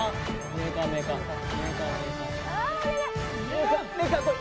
メーカーこい！